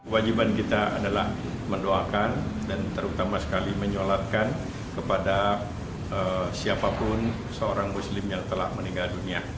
wajiban kita adalah mendoakan dan terutama sekali menyolatkan kepada siapapun seorang muslim yang telah meninggal dunia